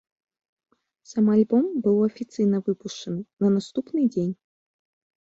Сам альбом быў афіцыйна выпушчаны на наступны дзень.